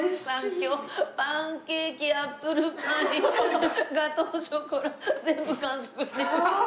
今日パンケーキアップルパイガトーショコラ全部完食してる。